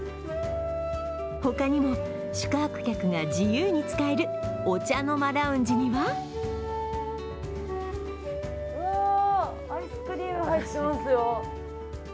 他にも、宿泊客が自由に使えるお茶の間ラウンジにはうわ、アイスクリーム入ってますよ。